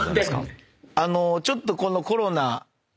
ちょっとこのコロナが。